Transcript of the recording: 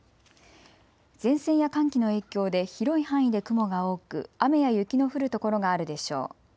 前線や寒気の影響で広い範囲で雲が多く雨や雪の降る所があるでしょう。